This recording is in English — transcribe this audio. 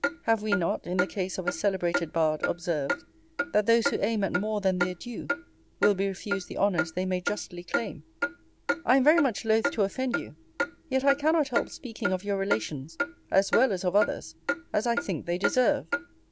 Have we not, in the case of a celebrated bard, observed, that those who aim at more than their due, will be refused the honours they may justly claim? I am very much loth to offend you; yet I cannot help speaking of your relations, as well as of others, as I think they deserve.